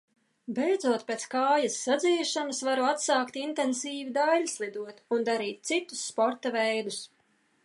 Beidzot, pēc kājas sadzīšanas, varu atsākt intensīvi daiļslidot un darīt citus sporta veidus.